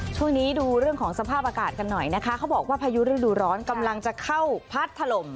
ช่วงนี้ดูเรื่องของสภาพอากาศกันหน่อยนะคะเขาบอกว่าพายุฤดูร้อนกำลังจะเข้าพัดถล่ม